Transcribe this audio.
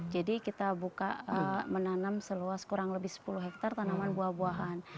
jadi kita buka menanam seluas kurang lebih sepuluh hektare tanaman buah buahan